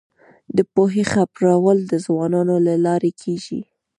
د پوهې خپرول د ځوانانو له لارې کيږي.